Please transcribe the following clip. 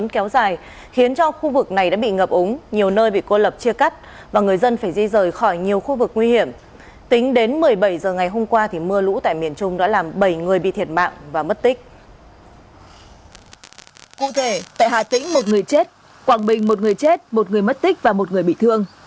cụ thể tại hà tĩnh một người chết quảng bình một người chết một người mất tích và một người bị thương